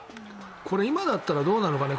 これ今だったらどうなのかね